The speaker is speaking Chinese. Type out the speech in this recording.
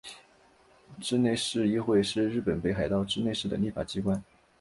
稚内市议会是日本北海道稚内市的立法机关。